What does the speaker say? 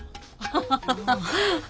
ハハハハ。